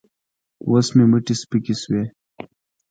اوس مې مټې سپکې شوې.